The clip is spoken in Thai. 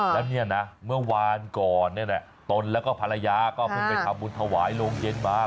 แล้วเนี่ยนะเมื่อวานก่อนตนแล้วก็ภรรยาก็เพิ่งไปทำบุญถวายโรงเย็นมา